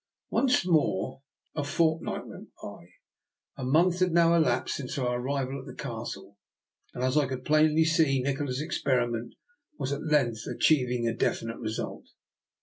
Once more a fortnight went by. A 2IO r>R. NIKOLA'S EXPERIMENT. month had now elapsed since our arrival at the Castle, and as I could plainly see, Nikola's experiment was at length achieving a definite result.